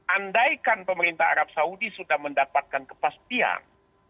andaikan pemerintah arab saudi sudah mendapatkan kepastian